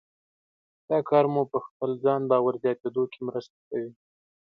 دا کار مو په خپل ځان باور زیاتېدو کې مرسته کوي.